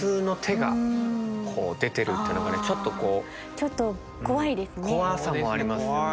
ちょっと怖いですね。